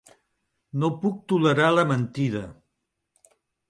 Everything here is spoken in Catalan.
No puc tolerar la mentida.